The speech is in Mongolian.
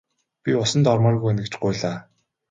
Би усанд ормооргүй байна гэж гуйлаа.